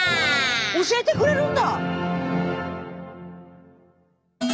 教えてくれるんだ！